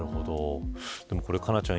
でも佳菜ちゃん